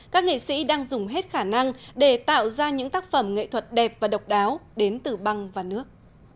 các nghệ sĩ đang dùng hết khả năng để tạo ra những tác phẩm nghệ thuật đẹp và độc đáo đến từ băng và nước